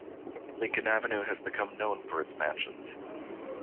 Lincoln Avenue also became known for its mansions.